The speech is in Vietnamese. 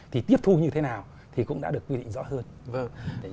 thì tiếp thu như thế nào thì cũng đã được quy định rõ hơn